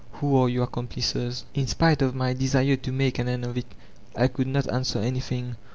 Who are your accomplices ?* "In spite of my desire to make an end of it I could not answer anything.